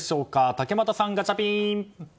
竹俣さん、ガチャピン！